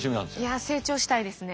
いや成長したいですね。